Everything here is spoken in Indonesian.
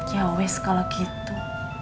ya wes kalau gitu